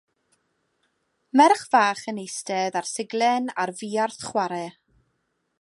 Merch fach yn eistedd ar siglen ar fuarth chwarae.